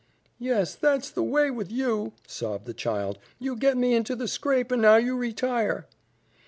"Yes, that's the way with YOU," sobbed the child. "You get me into the scrape and now you retire."